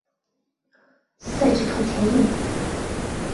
赛制同前一年。